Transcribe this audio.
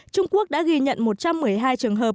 trung quốc đã ghi nhận một trăm một mươi hai trường hợp